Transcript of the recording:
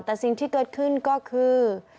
แต่สิ่งที่เกิดขึ้นก็คือ